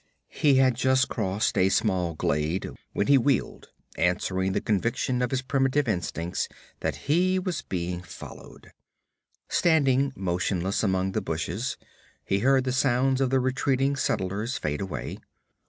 He had just crossed a small glade when he wheeled answering the conviction of his primitive instincts that he was being followed. Standing motionless among the bushes he heard the sounds of the retreating settlers fade away.